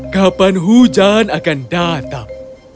kapan hujan akan datang